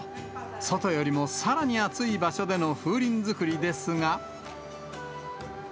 外よりもさらに暑い場所での風鈴作りですが。